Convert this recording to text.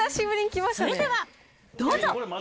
それではどうぞ。